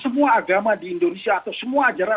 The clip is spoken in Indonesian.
semua agama di indonesia atau semua ajaran